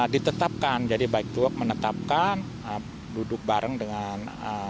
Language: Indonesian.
ditetapkan jadi bike to work menetapkan duduk bareng dengan